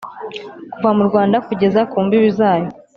kuva mu Rwanda kugeza ku mbibi zayo